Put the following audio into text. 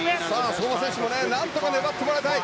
相馬選手もなんとか粘ってもらいたい。